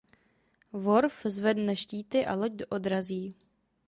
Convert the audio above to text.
Worf zvedne štíty a loď odrazí.